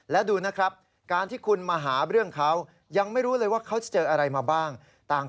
และดูนะครับการที่คุณมาหาเรื่องเขายังไม่รู้เลยว่าเขาจะเจออะไรมาบ้าง